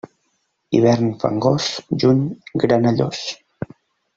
Hivern fangós, juny granellós.